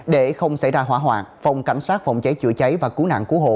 để không xảy ra hỏa hoạn phòng cảnh sát phòng cháy chữa cháy và cú nạn cú hộ